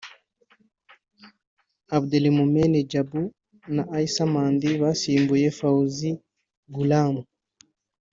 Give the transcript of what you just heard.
Abdelmoumene Djabou na Aissa Mandi basimbuye Faouzi Ghoulam